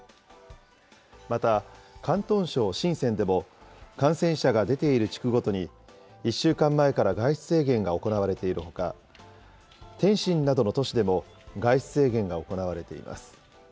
また、広東省深せんでも、感染者が出ている地区ごとに、１週間前から外出制限が行われているほか、天津などの都市でも外出制限が行われています。